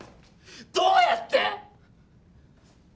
どうやって！？